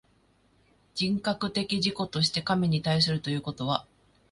人格的自己として神に対するということは、